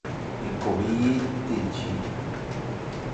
Ikob í yé í te dji.